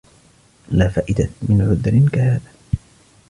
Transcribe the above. لا فائدة من عذر كهذا.